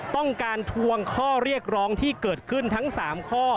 ต้องการทวงข้อเรียกร้องที่เกิดขึ้นทั้ง๓ข้อ